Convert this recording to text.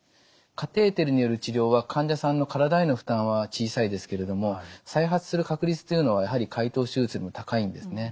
カテーテルによる治療は患者さんの体への負担は小さいですけれども再発する確率というのはやはり開頭手術より高いんですね。